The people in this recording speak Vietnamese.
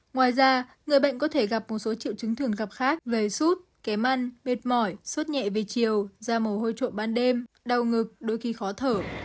ngoài ra người bệnh có thể gặp một số triệu chứng thường gặp khác về sút kém ăn mệt mỏi sút nhẹ về chiều da mồ hôi trộn ban đêm đau ngực đôi khi khó thở